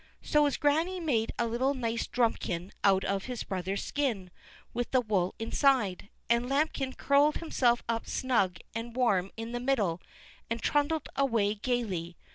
So his granny made a nice little drumikin out of his brother's skin, with the wool inside, and Lambikin curled himself up snug and warm in the middle, and trundled away gaily.